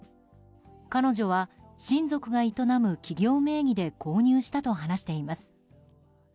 彼女は親族が営む企業名義で購入したと話しています。